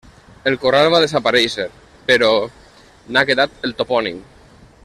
El corral va desaparèixer, però n'ha quedat el topònim.